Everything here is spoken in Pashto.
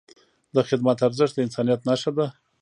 د خدمت ارزښت د انسانیت نښه ده.